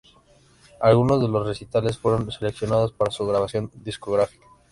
Algunos de los recitales fueron seleccionados para su grabación discográfica.